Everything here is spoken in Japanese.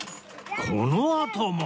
このあとも